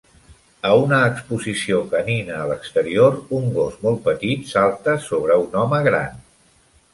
A una exposició canina a l'exterior, un gos molt petit salta sobre un home gran.